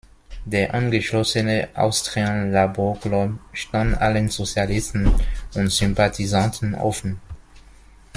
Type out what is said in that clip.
Der angeschlossene "Austrian Labour Club" stand allen Sozialisten und Sympathisanten offen.